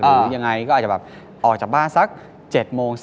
หรือยังไงก็อาจจะแบบออกจากบ้านสัก๗โมง